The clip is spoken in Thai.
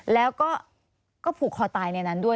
แล้วก็ผูกคอตายในนั้นด้วย